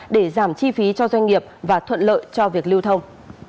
để giảm chi phí cho doanh nghiệp và thuận lợi cho việc lưu thông